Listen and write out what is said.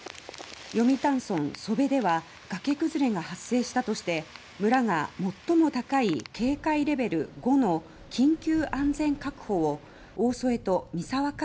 読谷村楚辺では崖崩れが発生したとして村が最も高い警戒レベル５の緊急安全確保を大添とミサワ会